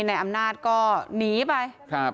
นายอำนาจก็หนีไป